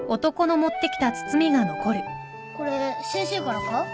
これ先生からか？